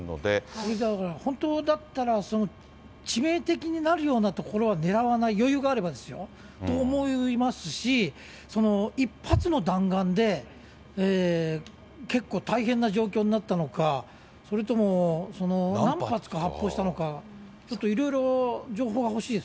これ、だから、本当だったら、致命的になるようなところは狙わない、余裕があればですよ、と思いますし、１発の弾丸で、結構、大変な状況になったのか、それとも何発か発砲したのか、ちょっといろいろ情報が欲しいです